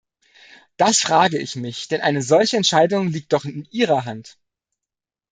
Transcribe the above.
Das frage ich mich, denn eine solche Entscheidung liegt doch in Ihrer Hand.